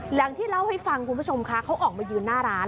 หลังที่เล่าให้ฟังคุณผู้ชมคะเขาออกมายืนหน้าร้าน